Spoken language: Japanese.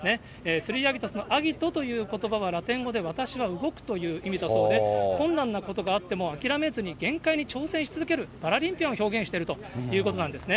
スリーアギトスの、アギトということばは、ラテン語で私は動くという意味だそうで、困難なことがあっても諦めずに限界に挑戦し続ける、パラリンピアンを表現しているということなんですね。